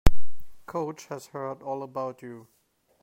Coach has heard all about you.